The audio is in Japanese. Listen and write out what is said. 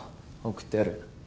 送ってやる。